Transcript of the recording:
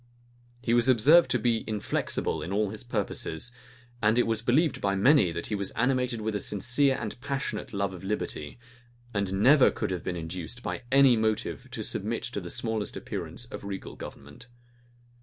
He was observed to be inflexible in all his purposes; and it was believed by many that he was animated with a sincere and passionate love of liberty, and never could have been induced by any motive to submit to the smallest appearance of regal government.